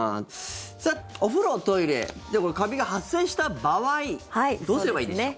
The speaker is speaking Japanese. お風呂、トイレでカビが発生した場合どうすればいいでしょう。